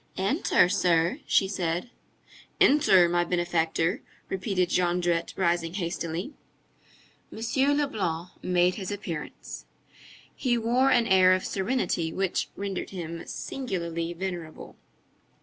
"Enter, sir," she said. "Enter, my benefactor," repeated Jondrette, rising hastily. M. Leblanc made his appearance. He wore an air of serenity which rendered him singularly venerable.